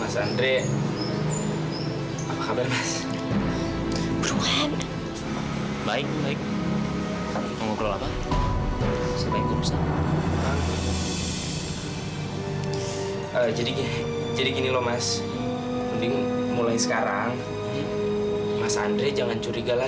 sampai jumpa di video selanjutnya